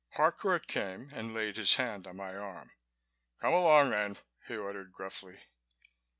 Harcourt came and laid his hand on my arm. "Come along then," he ordered gruffly.